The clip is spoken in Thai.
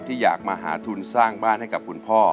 อยากมาหาทุนสร้างบ้านให้กับคุณพ่อ